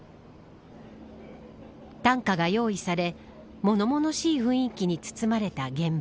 担架が用意され物々しい雰囲気に包まれた現場。